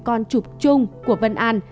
con chụp chung của vân an